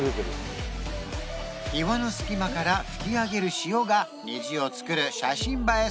岩の隙間から吹き上げる潮が虹を作る写真映え